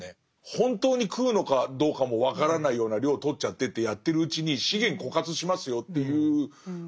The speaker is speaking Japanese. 本当に食うのかどうかも分からないような量をとっちゃってってやってるうちに資源枯渇しますよっていう。